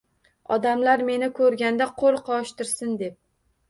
Odamlar meni ko’rganda qo’l qovushtirsin deb